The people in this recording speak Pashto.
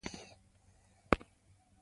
انځور د مصنوعي او لمر رڼا انعکاس ښيي.